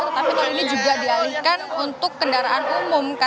tetapi tol ini juga dialihkan untuk kendaraan umum